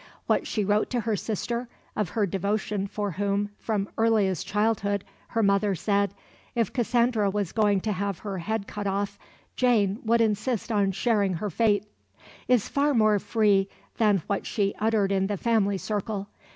What she wrote to her sister of her devotion for whom, from earliest childhood, her mother said, "If Cassandra was going to have her head cut off, Jane would insist on sharing her fate" is far more free than what she uttered in the family circle.